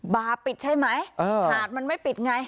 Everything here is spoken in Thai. บาร์ปิดใช่ไหมหาดมันไม่ปิดไง